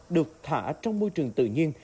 được thả trong môi trường tự nhiên